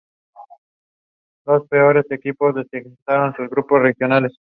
En la parte sudoeste del Municipio.